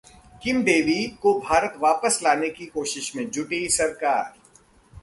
किम Davy को भारत वापस लाने की कोशिश में जुटी सरकार